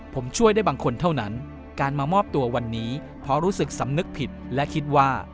ผมช่วยได้บางคนเท่านั้นการมามอบตัววันนี้เพราะรู้สึกสำนึกผิดและคิดว่า